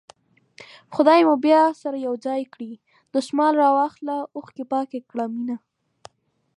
خدای به مو بيا سره يو ځای کړي دسمال راواخله اوښکې پاکې کړه مينه